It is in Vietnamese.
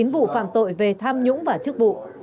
chín vụ phạm tội về tham nhũng và chức vụ